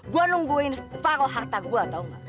gua nungguin separoh harta gua tau gak